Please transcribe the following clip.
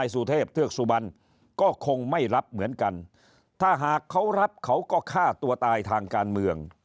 สุเทพเทือกสุบันก็คงไม่รับเหมือนกันถ้าหากเขารับเขาก็ฆ่าตัวตายทางการเมือง